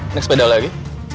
next pada aku lagi